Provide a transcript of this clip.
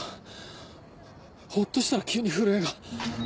ほっとしたら急に震えが。